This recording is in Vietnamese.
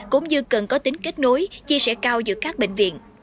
cũng như cần có tính kết nối chia sẻ cao giữa các bệnh viện